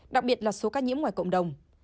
đặc biệt là số ca nhiễm ngoài cộng đồng